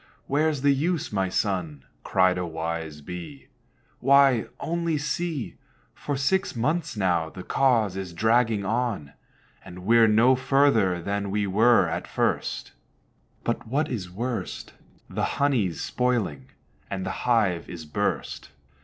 where's the use, my son?" Cried a wise Bee; "Why, only see, For six months now the cause is dragging on, And we're no further than we were at first; But what is worst, The honey's spoiling, and the hive is burst.